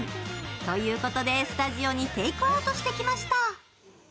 ということでスタジオにテイクアウトしてきました。